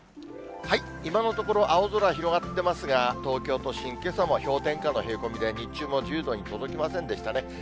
今のところ、青空、広がってますが、東京都心、けさも氷点下の冷え込みで、日中も１０度に届きませんでしたね。